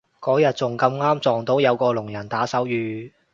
嗰日仲咁啱撞到有個聾人打手語